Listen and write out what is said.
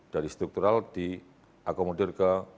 dari struktural diakomodir ke